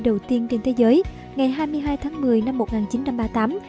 đầu tiên trên thế giới ngày hai mươi hai tháng một mươi năm một nghìn chín trăm ba mươi tám